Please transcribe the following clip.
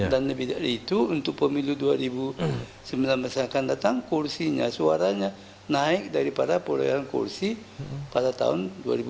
dan lebih dari itu untuk pemilu dua ribu sembilan belas yang akan datang kursinya suaranya naik daripada perlayanan kursi pada tahun dua ribu empat belas